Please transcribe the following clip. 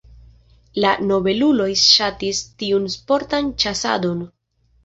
La nobeluloj ŝatis tiun sportan ĉasadon.